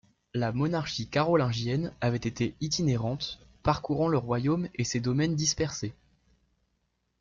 La monarchie carolingienne avait été itinérante, parcourant le royaume et ses domaines dispersés.